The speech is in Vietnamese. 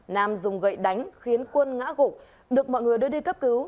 nam dùng gậy đánh khiến quân ngã gục được mọi người đưa đi cấp cứu